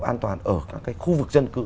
an toàn ở các cái khu vực dân cư